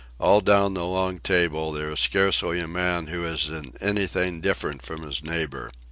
All down the long table, there is scarcely a man who is in anything different from his neighbour.